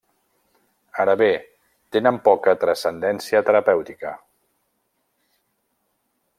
Ara bé, tenen poca transcendència terapèutica.